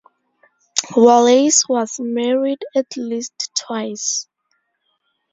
Wallace was married at least twice.